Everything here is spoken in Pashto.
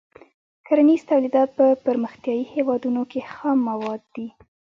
کرنیز تولیدات په پرمختیايي هېوادونو کې خام مواد دي.